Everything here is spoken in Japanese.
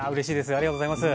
ありがとうございます。